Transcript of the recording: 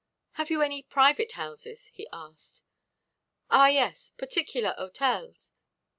"Have you any private houses?" he asked. "Ah, yes, particular hôtels."